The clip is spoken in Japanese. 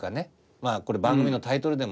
まあこれ番組のタイトルでもありますけど。